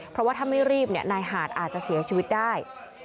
เพราะว่าถ้าไม่รีบนายหาดอาจจะเสียชีวิตได้